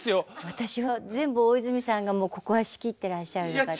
私は全部大泉さんがここは仕切ってらっしゃるのかと。